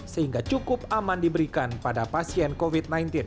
sehingga cukup aman diberikan pada pasien covid sembilan belas